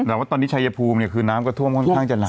แต่ว่าตอนนี้ชายภูมิเนี่ยคือน้ำก็ท่วมค่อนข้างจะหนัก